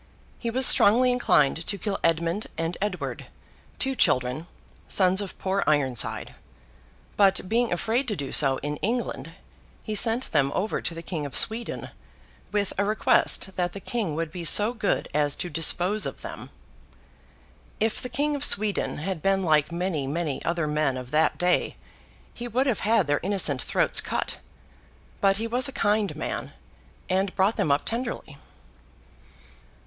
He was strongly inclined to kill Edmund and Edward, two children, sons of poor Ironside; but, being afraid to do so in England, he sent them over to the King of Sweden, with a request that the King would be so good as 'dispose of them.' If the King of Sweden had been like many, many other men of that day, he would have had their innocent throats cut; but he was a kind man, and brought them up tenderly.